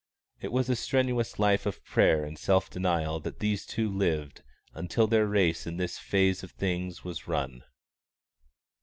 It was a strenuous life of prayer and self denial that these two lived until their race in this phase of things was run.